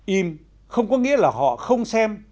im không có nghĩa là họ không xem